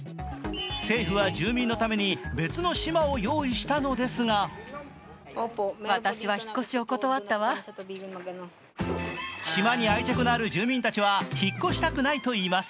政府は住民のために別の島を用意したのですが島に愛着のある住民たちは引っ越したくないと言います。